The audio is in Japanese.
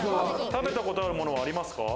食べたことあるものありますか？